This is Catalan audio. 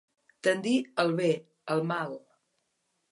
Tendir al bé, al mal.